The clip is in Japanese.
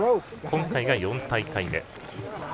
今回が４大会目。